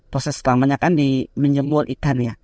proses selamanya kan di menjemur ikan ya